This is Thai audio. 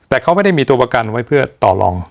แต่เขาไม่ได้มีตัวประกันไว้เพื่อต่อลอง